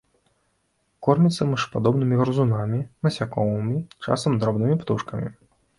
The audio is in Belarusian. Корміцца мышападобнымі грызунамі, насякомымі, часам дробнымі птушкамі.